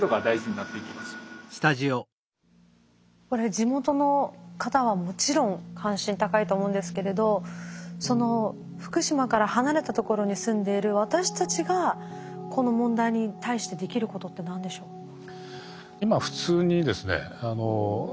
これ地元の方はもちろん関心高いと思うんですけれど福島から離れたところに住んでいる私たちがこの問題に対してできることって何でしょう？